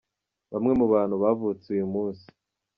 Bamwe mu bantu bavutse uyu munsi:.